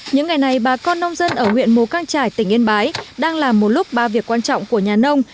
những ngày này bà con nông dân ở huyện mù căng trải tỉnh yên bái đang làm một lúc ba việc quan trọng của nhà nông